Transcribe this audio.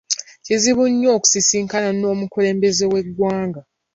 Kizibu nnyo okusisinkana n'omukulembeze w'eggwanga.